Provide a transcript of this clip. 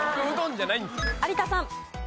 有田さん。